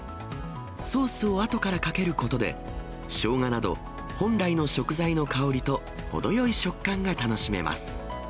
ソースをあとからかけることで、しょうがなど、本来の食材の香りと程よい食感が楽しめます。